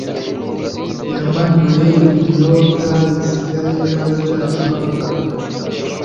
yamanuye ibinyobwa bisigaye maze ava mu kabari.